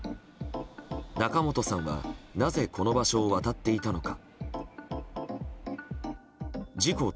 仲本さんはなぜこの場所を渡っていたのか。